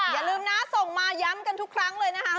อย่าลืมนะส่งมาย้ำกันทุกครั้งเลยนะคะ